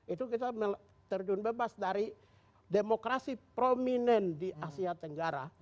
itu kita terjun bebas dari demokrasi prominent di asia tenggara